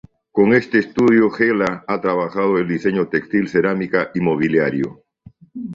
Con este estudio, Hella ha trabajado en diseño textil, cerámica y mobiliario.